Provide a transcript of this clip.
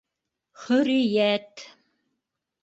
Хөрриәт!